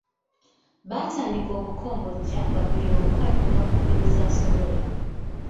Batandika okukongojja nga buli omu adduka ku mbiro z’asobola.